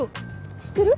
知ってる？